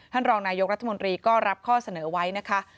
รองนายกรัฐมนตรีก็รับข้อเสนอไว้นะคะ